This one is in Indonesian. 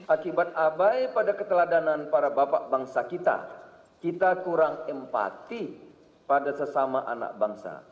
akibat abai pada keteladanan para bapak bangsa kita kita kurang empati pada sesama anak bangsa